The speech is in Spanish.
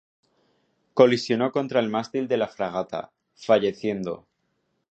Colisionó contra el mástil de la fragata, falleciendo.